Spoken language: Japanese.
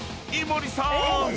［井森さん